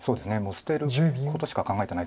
捨てることしか考えてない。